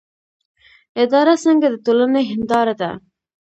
اداره څنګه د ټولنې هنداره ده؟